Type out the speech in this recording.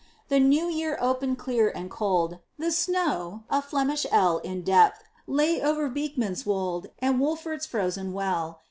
The New Year opened clear and cold; The snow, a Flemish ell In depth, lay over Beeckman's Wold And Wolfert's frozen well.